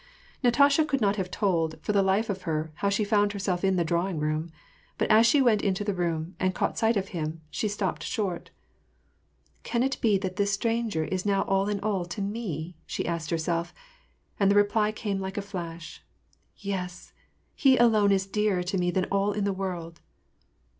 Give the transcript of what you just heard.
Natasha could not have told, for the life of her, how she found herself in the drawing room. But as she went into the room, and caught sight of him, she stopped short. " Can it be that this stranger is now all in all to me ?" she asked herself, and the reply came like a flash, " Yes ! he alone is dearer to me than all in the world."